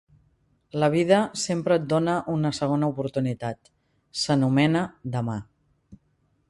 La vida sempre et dona una segona oportunitat; s'anomena "demà".